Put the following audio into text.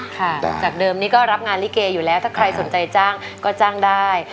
ค่ะจากเดิมนี้ก็รับงานลิเกอยู่แล้วถ้าใครสนใจจ้างก็จ้างได้